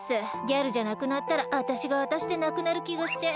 ギャルじゃなくなったらあたしがあたしでなくなるきがして。